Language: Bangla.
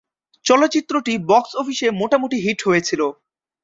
চলচ্চিত্রটি বক্স অফিসে মোটামুটি হিট হয়েছিলো।